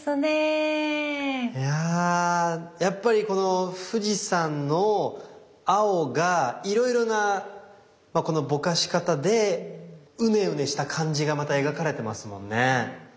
いややっぱりこの富士山の青がいろいろなぼかし方でうねうねした感じがまた描かれてますもんね。